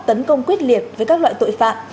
tấn công quyết liệt với các loại tội phạm